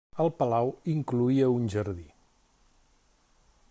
El palau incloïa un jardí.